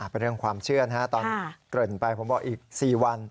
เป็นเรื่องความเชื่อนะฮะตอนเกริ่นไปผมบอกอีก๔วัน